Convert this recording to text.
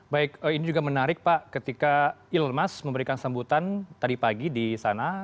baik ini juga menarik pak ketika ilmas memberikan sambutan tadi pagi di sana